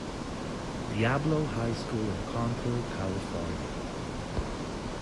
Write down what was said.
Diablo High School in Concord, California.